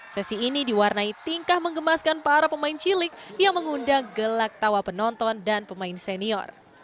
sesi ini diwarnai tingkah mengemaskan para pemain cilik yang mengundang gelak tawa penonton dan pemain senior